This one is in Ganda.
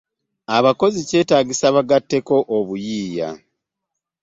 Abakozi kyetaagisa bagatteko obuyiiya